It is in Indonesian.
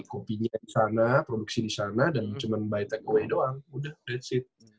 kopinya di sana produksi di sana dan cuman by takeaway doang udah that s it